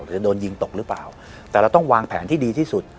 จะโดนยิงตกหรือเปล่าแต่เราต้องวางแผนที่ดีที่สุด